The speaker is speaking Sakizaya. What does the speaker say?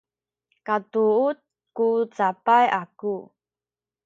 katuud ku cabay aku